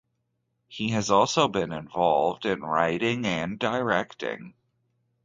He has also been involved in writing and directing.